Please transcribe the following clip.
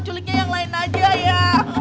culiknya yang lain aja ya